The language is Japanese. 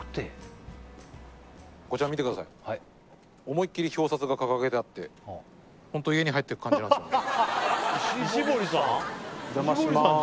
こちら見てください思いっきり表札が掲げてあってホント家に入っていく感じなんですよね